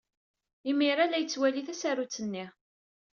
Imir-a la yettwali tasarut-nni.